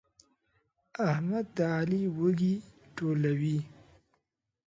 احمد د علي وږي ټولوي.